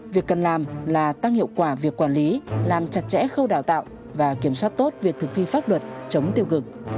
việc cần làm là tăng hiệu quả việc quản lý làm chặt chẽ khâu đào tạo và kiểm soát tốt việc thực thi pháp luật chống tiêu cực